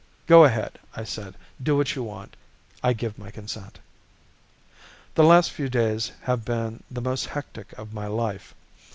"Go ahead," I said, "do what you want. I give my consent." The last few days have been the most hectic of my life.